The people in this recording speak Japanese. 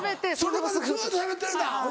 それまでずっとしゃべってるんだ。